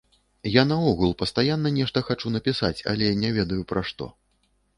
Я, наогул, пастаянна нешта хачу напісаць, але не ведаю пра што.